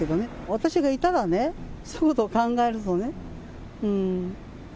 私がいたらね、そういうことを考えるとね。